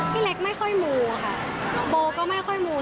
พี่เล็กไม่ค่อยมูค่ะโบก็ไม่ค่อยมู